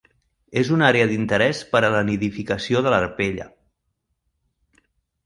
És una àrea d'interès per a la nidificació de l'arpella.